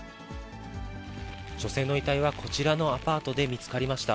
女性の遺体はこちらのアパートで見つかりました。